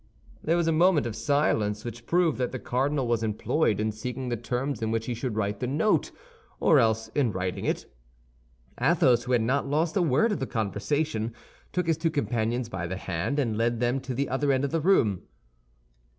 There was a moment of silence, which proved that the cardinal was employed in seeking the terms in which he should write the note, or else in writing it. Athos, who had not lost a word of the conversation, took his two companions by the hand, and led them to the other end of the room.